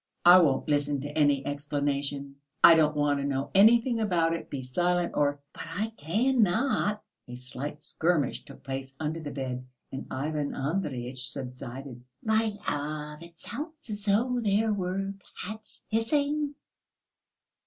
"I won't listen to any explanation. I don't want to know anything about it. Be silent or...." "But I cannot...." A slight skirmish took place under the bed, and Ivan Andreyitch subsided. "My love, it sounds as though there were cats hissing."